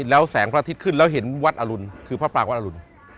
แล้วแสงพระอาทิตย์ขึ้นแล้วเห็นวัดอรุณคือพระปรางวัดอรุณ